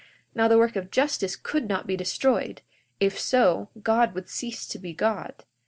Now the work of justice could not be destroyed; if so, God would cease to be God.